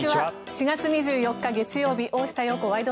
４月２４日、月曜日「大下容子ワイド！